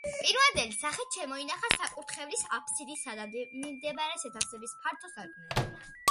პირვანდელი სახით შემოინახა საკურთხევლის აფსიდი სადა მიმდებარე სათავსების ფართო სარკმელები.